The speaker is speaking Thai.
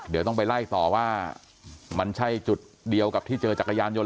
เดี๋ยวต้องไปไล่ต่อว่ามันใช่จุดเดียวกับที่เจอจักรยานยนต